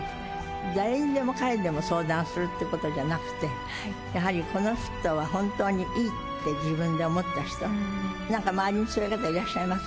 誰にでもかれにでも相談するってことじゃなくて、やはりこの人は本当にいいって自分で思った人、なんか周りにそういう方いらっしゃいます？